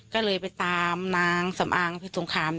ก็เลยไปตามนางสำอางพิศงคามมา